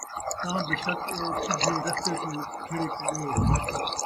تاں بیشک او سِدّھے رَستے تُوں تِھڑک ڳئے ۔